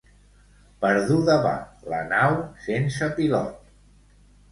Perduda va la nau sense pilot.